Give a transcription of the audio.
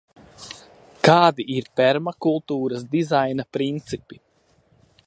Kādi ir permakultūras dizaina principi?